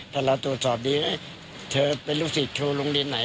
ถ้าหรับตรวจสอบดีอ่ะเธอเป็นลูกศิษย์ที่ลงเด็นไหน